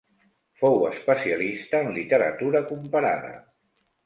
Fou especialista en literatura comparada.